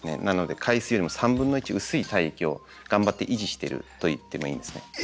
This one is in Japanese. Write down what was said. なので海水よりも３分の１薄い体液を頑張って維持してると言ってもいいんですね。